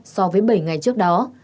so với bảy ngày trước đó